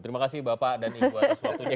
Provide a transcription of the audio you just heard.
terima kasih bapak dan ibu atas waktu ini